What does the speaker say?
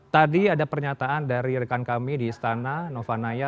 tadi ada pernyataan dari rekan kami di istana novanaya